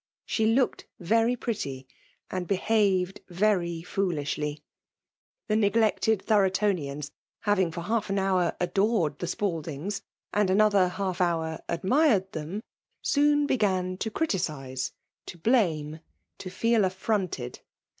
She looked very pretty and be haved veiy foolishly* The neglected Thoro tonians, having for half an hour adored the ^Mkldings^ and another half hour admired them, soon began to criticise, — to blame, to. feel affironted.